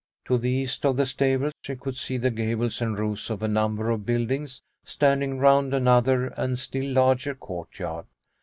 To the east of the stable she could see the gables and roofs of a number of buildings, standing round another and still larger courtyard.